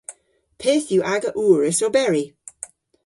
Pyth yw aga ourys oberi?